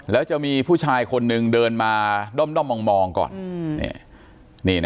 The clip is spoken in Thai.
แล้วจะมีผู้ชายคนนึงเดินมาด้อมมองก่อน